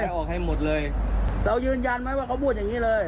ออกให้หมดเลยเรายืนยันไหมว่าเขาพูดอย่างงี้เลย